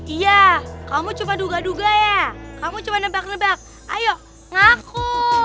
iya kamu cuma duga duga ya kamu cuma nebak nebak ayo ngaku